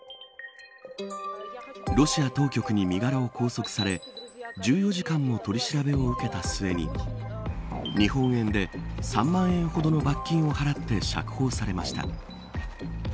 ロシア当局に身柄を拘束され１４時間も取り調べを受けた末に日本円で３万円ほどの罰金を払って釈放されました。